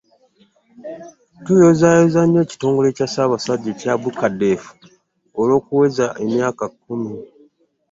Tuyozaayoza nnyo ekitongole kya Ssaabasajja ekya BUCADEF Olw'okuweza emyaka kkumi.